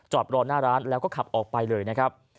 รอหน้าร้านแล้วก็ขับออกไปเลยนะครับ